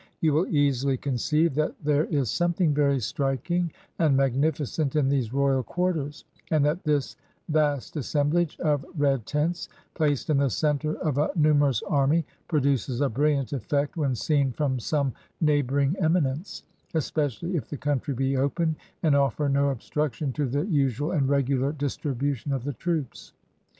You "^tU easily conceive that there is something \ei\ striking and magnificent in these royal quarters, and that this vast assemblage of red tents, placed in the center of a numerous army, produces a bril Hant efi'ect when seen from some neighboring eminence; especially if the countr}" be open and offer no obstruction to the usual and regular distribution of the troops.